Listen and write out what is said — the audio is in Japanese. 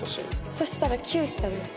そしたら９下です。